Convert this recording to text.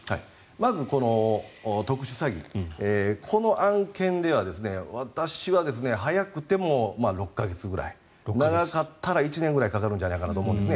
まず特殊詐欺この案件では私は早くても６か月ぐらい長かったら１年くらいかかるんじゃないかと思いますね。